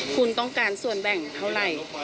คุณต้องการส่วนแบ่งเท่าไหร่